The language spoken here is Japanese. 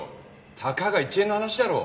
たかが１円の話だろ。